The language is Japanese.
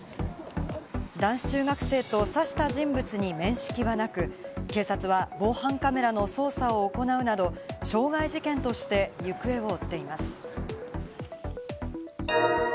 男子中学生と刺した人物に面識はなく、警察は防犯カメラの捜査を行うなど、傷害事件として行方を追っています。